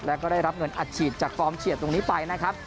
แล้วก็ได้รับเงินอัดฉีดจากฟอร์มเฉียดตรงนี้ไปนะครับ